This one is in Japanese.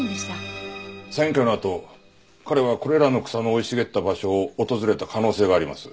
サイン会のあと彼はこれらの草の生い茂った場所を訪れた可能性があります。